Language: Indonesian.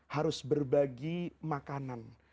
harus berbagi makanan